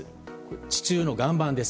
地中の岩盤です。